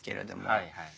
はいはい。